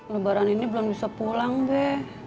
lebaran ini belum bisa pulang deh